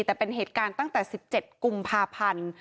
แต่เป็นเหตุการณ์ตั้งแต่๑๗กุมภาพันธ์